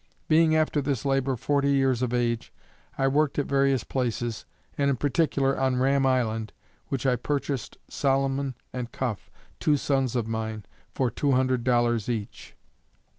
Being after this labor forty years of age, I worked at various places, and in particular on Ram Island, which I purchased Solomon and Cuff, two sons of mine, for two hundred dollars each.